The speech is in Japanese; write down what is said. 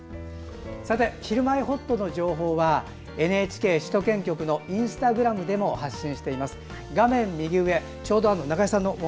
「ひるまえほっと」の情報はＮＨＫ首都圏局のインスタグラムでも発信しています。